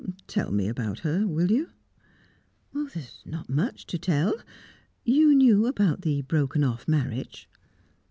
"Tell me about her will you?" "There's not much to tell. You knew about the broken off marriage?"